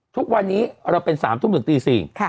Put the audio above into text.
ทุกวันนี้เราเป็น๓ทุ่มถึงตี๔